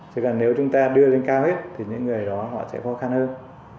chỉ cần nếu chúng ta đưa lên cao hết thì những người đó họ sẽ khó khăn hơn